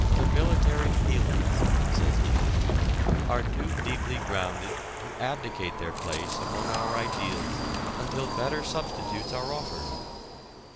"The military feelings," says James, "are too deeply grounded to abdicate their place among our ideals until better substitutes are offered